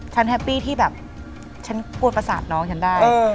แฮปปี้ที่แบบฉันกลัวประสาทน้องฉันได้